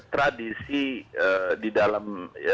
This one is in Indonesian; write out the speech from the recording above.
tradisi di dalam